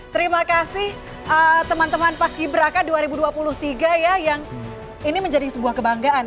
terima kasih teman teman paski braka dua ribu dua puluh tiga ya yang ini menjadi sebuah kebanggaan